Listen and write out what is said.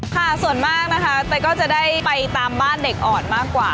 ค่ะส่วนมากนะคะแต่ก็จะได้ไปตามบ้านเด็กอ่อนมากกว่า